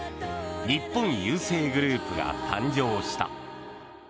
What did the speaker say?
日本郵政グループが誕生した。